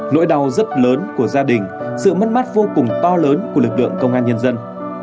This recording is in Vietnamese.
nỗi đau rất lớn của gia đình sự mất mát vô cùng to lớn của lực lượng công an nhân dân